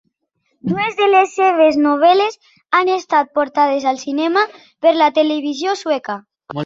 Dues de les seves novel·les han estat portades al cinema per la Televisió Sueca.